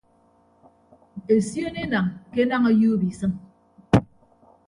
Esion enañ ke enañ ọyuup isịm.